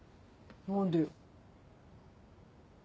何でよ。